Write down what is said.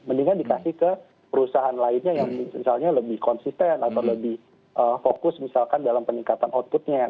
jadi kita harus dikasih ke perusahaan lainnya yang misalnya lebih konsisten atau lebih fokus misalkan dalam peningkatan outputnya